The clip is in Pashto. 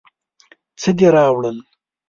څه دې راوړل.